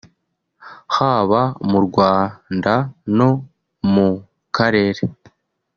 haba mu Rwanda no mu karere